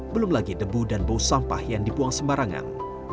belum lagi debu dan bau sampah yang dibuang sembarangan